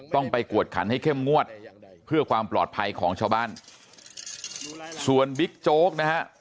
ต้องไปกวดขันให้เข้มงวดเพื่อความปลอดภัยของชาวบ้านส่วนบิ๊กโจ๊กนะฮะ